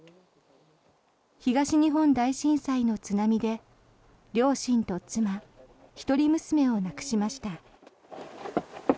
東日本大震災の津波で両親と妻、一人娘を亡くしました。